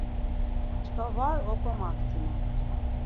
Çkva var oǩomaktinen.